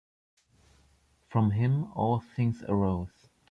From him all things arose.